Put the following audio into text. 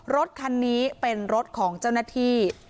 รถคันนี้เป็นรถของเจ้าหน้าที่